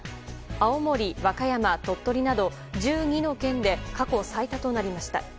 青森、和歌山、鳥取など１２の県で過去最多となりました。